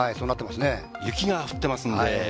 雪が降っていますので。